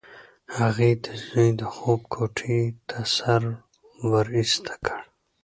هغې د زوی د خوب کوټې ته سر ورایسته کړ.